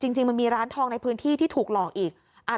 จริงมันมีร้านทองในพื้นที่ที่ถูกหลอกอีก